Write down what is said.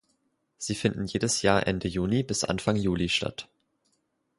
Sie finden jedes Jahr Ende Juni bis Anfang Juli statt.